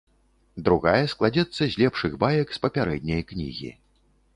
Другая складзецца з лепшых баек з папярэдняй кнігі.